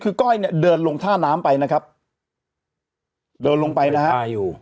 คือก้อยเนี่ยเดินลงท่าน้ำไปนะครับเดินลงไปนะฮะ